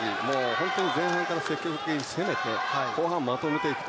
本当に前半から積極的に攻めて後半まとめていく。